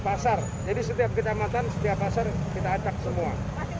di dua belas pasar jadi setiap ketamatan setiap pasar kita acak semua